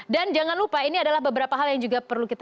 dan jangan lupa ini adalah beberapa hal yang juga perlu kita